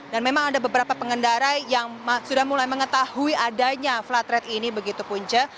memang ada beberapa pengendara yang sudah mulai mengetahui adanya flat rate ini begitu punca